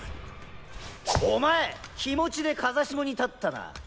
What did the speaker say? お前気持ちで風下に立ったな？